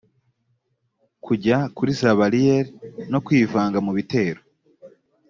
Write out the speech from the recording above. kujya kuri za bariyeri no kwivanga mu bitero